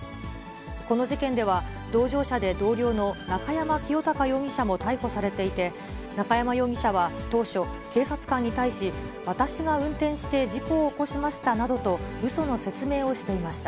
この事件では、同乗者で同僚の中山清敬容疑者も逮捕されていて、中山容疑者は当初、警察官に対し、私が運転して、事故を起こしましたなどとうその説明をしていました。